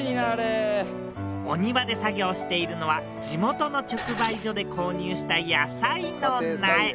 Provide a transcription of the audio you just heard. お庭で作業しているのは地元の直売所で購入した野菜の苗。